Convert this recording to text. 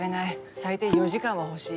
最低４時間は欲しい。